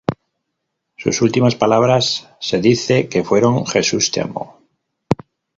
Sus últimas palabras se dice que fueron: "¡Jesús, te amo!".